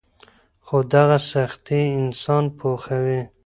خو دغه سختۍ انسان پوخوي.